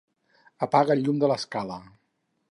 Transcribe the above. Apaga el llum de l'escala.